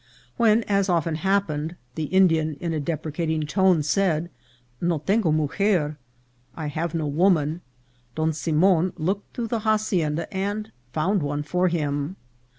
When, as often happened, the Indian, in a deprecating tone, said, " No tengo muger," " I have no worrtan," Don Simon looked through the hacienda and found one for him.